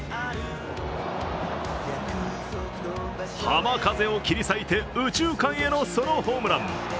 浜風を切り裂いて右中間へのソロホームラン。